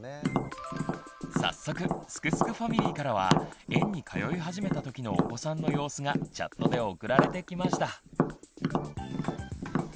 早速すくすくファミリーからは園に通い始めたときのお子さんの様子がチャットで送られてきました。